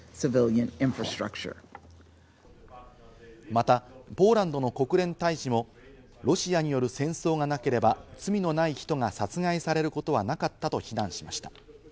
また、ポーランドの国連大使もロシアによる戦争がなければ罪のない人が殺害されることはなかったと非難しました。